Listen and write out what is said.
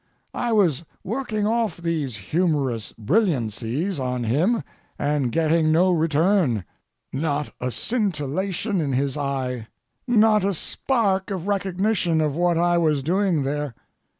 I was working off these humorous brilliancies on him and getting no return—not a scintillation in his eye, not a spark of recognition of what I was doing there.